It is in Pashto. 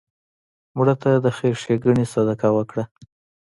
مړه ته د خیر ښیګڼې صدقه وکړه